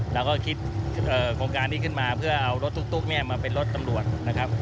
เราก็คิดโครงการนี้ขึ้นมาเพื่อเอารถตุ๊กเนี่ยมาเป็นรถตำรวจนะครับ